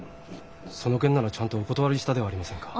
その件ならちゃんとお断りしたではありませんか。